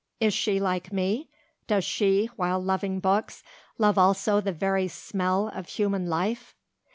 Is she like me? Does she, while loving books, love also the very smell of human life?"